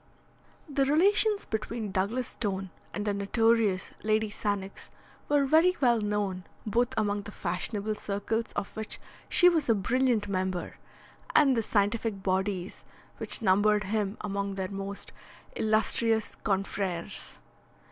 The relations between Douglas Stone and the notorious Lady Sannox were very well known both among the fashionable circles of which she was a brilliant member, and the scientific bodies which numbered him among their most illustrious confreres.